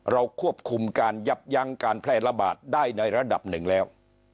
เราควบคุมการยับยั้งการแพร่ระบาดได้ในระดับหนึ่งแล้ว